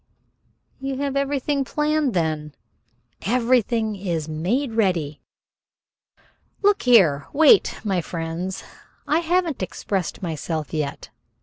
"You have everything planned then?" "Everything is made ready." "Look here! Wait, my friends! I haven't expressed myself yet."